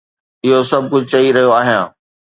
اهو سڀ ڪجهه چئي رهيو آهيان